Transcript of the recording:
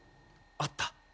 あった。